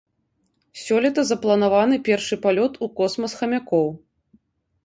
Сёлета запланаваны першы палёт у космас хамякоў.